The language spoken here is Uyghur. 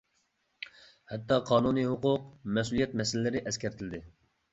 ھەتتا قانۇنىي ھوقۇق، مەسئۇلىيەت مەسىلىلىرى ئەسكەرتىلدى.